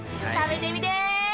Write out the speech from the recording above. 食べてみて！